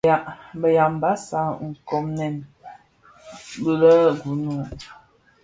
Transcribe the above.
Bë Yambassa nkpoňèn le (Gunu),